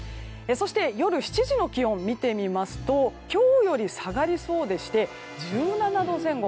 夜７時の気温を見てみますと今日より下がりそうでして１７度前後。